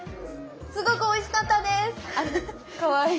すごくおいしかったです！